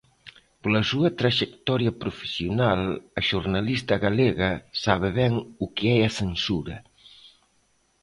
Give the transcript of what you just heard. Pola súa traxectoria profesional, a xornalista galega sabe ben o que é a censura.